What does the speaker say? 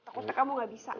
tukut tuk kamu nggak bisa